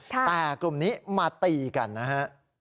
แต่กลุ่มนี้มาตีกันนะฮะ